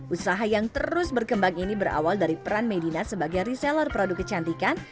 usaha yang terus berkembang ini berawal dari peran medina sebagai reseller produk kecantikan